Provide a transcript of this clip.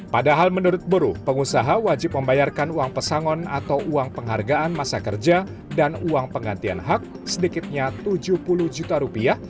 padahal menurut buruh pengusaha wajib membayarkan uang pesangon atau uang penghargaan masa kerja dan uang penggantian hak sedikitnya tujuh puluh juta rupiah